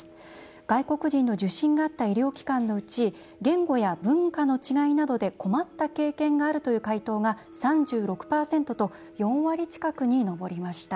外国人の受診があった医療機関のうち言語や文化の違いなどで「困った経験がある」という回答が３６％と４割近くに上りました。